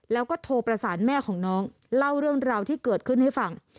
แล้วก็โทรประสานแม่ของน้องเล่าเรื่องราวที่เกิดขึ้นให้ฟัง